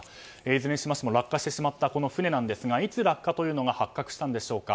いずれにしましても落下してしまったこの船ですがいつ落下というのが発覚したんでしょうか。